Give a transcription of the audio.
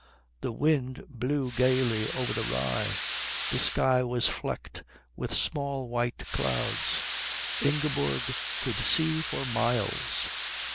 The wind blew gaily over the rye; the sky was flecked with small white clouds. Ingeborg could see for miles.